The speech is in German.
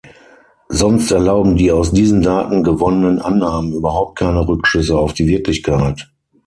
Sonst erlauben die aus diesen Daten gewonnenen Annahmen überhaupt keine Rückschlüsse auf die Wirklichkeit.